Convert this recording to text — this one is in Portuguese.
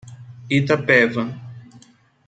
Itapeva